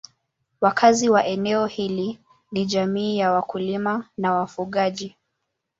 Wakazi wa eneo hili ni jamii za wakulima na wafugaji.